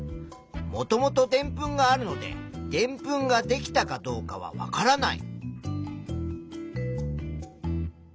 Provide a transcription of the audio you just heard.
もともとでんぷんがあるのででんぷんができたかどうかはわからない。